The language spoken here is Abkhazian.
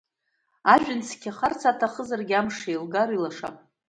Ажәҩан цқьахарц аҭахызаргь, амш еилгар, илашап.